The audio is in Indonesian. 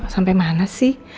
sampai mana sih